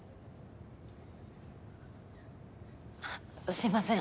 すいません